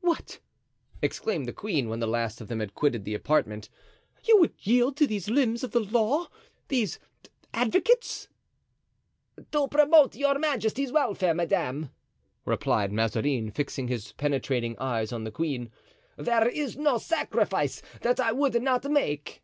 "What!" exclaimed the queen, when the last of them had quitted the apartment, "you would yield to these limbs of the law—these advocates?" "To promote your majesty's welfare, madame," replied Mazarin, fixing his penetrating eyes on the queen, "there is no sacrifice that I would not make."